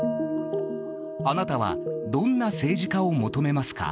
あなたはどんな政治家を求めますか？